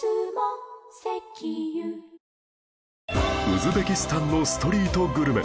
ウズベキスタンのストリートグルメ